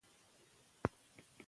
هغه باید څه شی اغوستی وای؟